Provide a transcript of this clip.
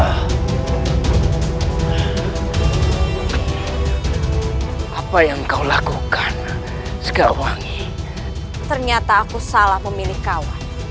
hai apa yang kau lakukan segawangi ternyata aku salah memilih kawan hai aku pikir